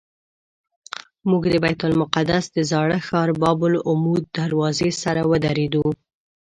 موږ د بیت المقدس د زاړه ښار باب العمود دروازې سره ودرېدو.